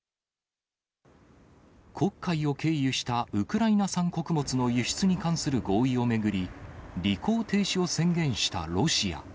黒海を経由したウクライナ産穀物の輸出に関する合意を巡り、履行停止を宣言したロシア。